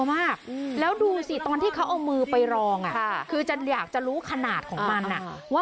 มีประชาชนในพื้นที่เขาถ่ายคลิปเอาไว้ได้ค่ะ